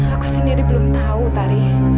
aku sendiri belum tahu tari